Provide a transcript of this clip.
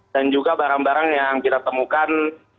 dan juga barang barang yang kita temukan